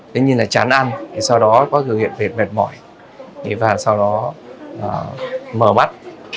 thế như là chán ăn sau đó có biểu hiện về mệt mỏi và sau đó mở mắt